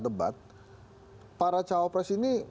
debat para cawapres ini